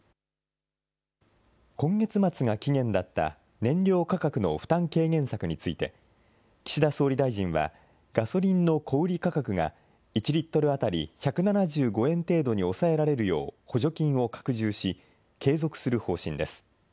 今月末が期限だった燃料価格の負担軽減策について、岸田総理大臣は、ガソリンの小売り価格が１リットル当たり１７５円程度に抑えられるよう補助金を拡充し、継続する方針です。